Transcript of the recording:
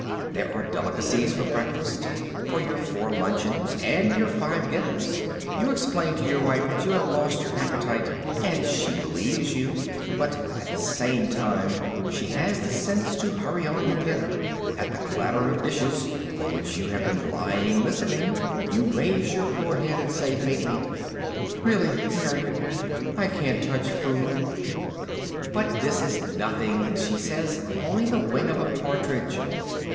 There are delicacies for breakfast, for your four luncheons and your five dinners. You explain to your wife that you have lost your appetite, and she believes you, but at the same time she has the sense to hurry on your dinner. At the clatter of dishes (for which you have been lying listening) you raise your poor head, and say faintly: "Really, Marion, I can't touch food." "But this is nothing," she says, "only the wing of a partridge."